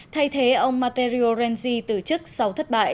thay thế ông matteo renzi tử chức sau thất bại